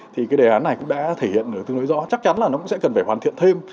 thì cái đề án này cũng đã thể hiện được tương đối rõ chắc chắn là nó cũng sẽ cần phải hoàn thiện thêm